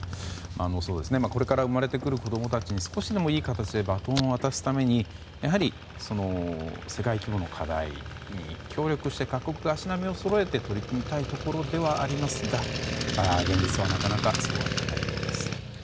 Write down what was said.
これから生まれてくる子供たちに少しでもいい形でバトンを渡すためにやはり世界規模の課題に協力して各国が足並みをそろえて取り組みたいところではありますが、現実はなかなかそうはいかないようです。